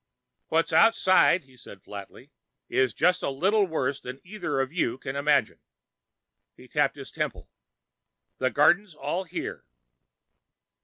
"What's outside," he said flatly, "is just a little worse than either of you can imagine." He tapped his temple. "The garden's all here."